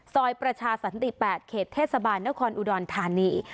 ซอยประชาสันติ๘เขตเทศบาลนครอุดรธานี